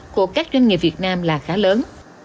của các doanh nghiệp việt nam là khá lớn